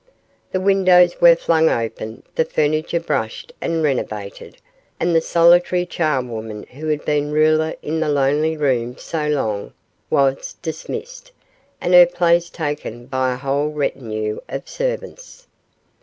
The windows were flung open, the furniture brushed and renovated, and the solitary charwoman who had been ruler in the lonely rooms so long, was dismissed, and her place taken by a whole retinue of servants.